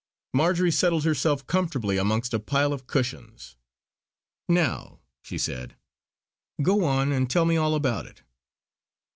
Marjory settled herself comfortably amongst a pile of cushions, "Now" she said "go on and tell me all about it!"